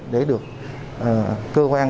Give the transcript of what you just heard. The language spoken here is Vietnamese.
để được cơ quan